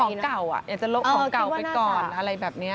อยากจะโละของเก่าไปก่อนอะไรแบบเนี่ย